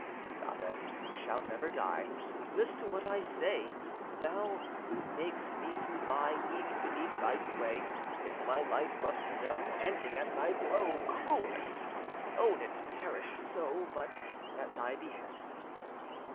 Goddess, who shalt never die, List to what I say; Thou who makest me to lie Weak beneath thy sway, If my life must know Ending at thy blow, Cruellest! Own it perished so But at thy behest.